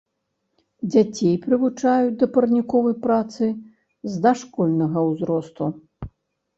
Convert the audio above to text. Дзяцей прывучаюць да парніковай працы з дашкольнага ўзросту.